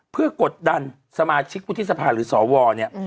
เพื่อกดดันสมาชิกวุฒิสภาหรือสวเนี่ย